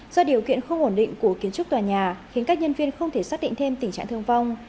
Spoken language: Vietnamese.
do điều kiện không ổn định của kiến trúc tòa nhà khiến các nhân viên không thể xác định thêm tình trạng thương vong